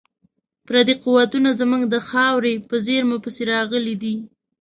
پردي قوتونه زموږ د خاورې په زیرمو پسې راغلي دي.